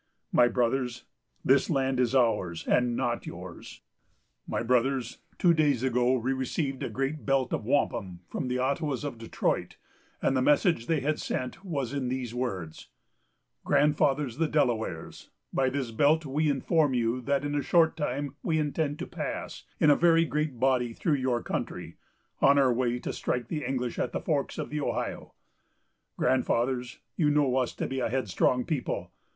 My Brothers, this land is ours, and not yours. "My Brothers, two days ago we received a great belt of wampum from the Ottawas of Detroit, and the message they sent us was in these words:—— "'Grandfathers the Delawares, by this belt we inform you that in a short time we intend to pass, in a very great body, through your country, on our way to strike the English at the forks of the Ohio. Grandfathers, you know us to be a headstrong people.